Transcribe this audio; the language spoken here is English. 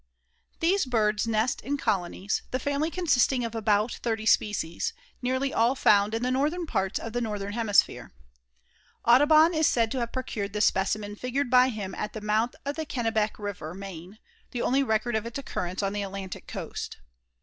These birds nest in colonies, the family consisting of about thirty species, nearly all found in the northern parts of the northern hemisphere. Audubon is said to have procured the specimen figured by him at the mouth of the Kennebec river, Maine, the only record of its occurrence on the Atlantic coast.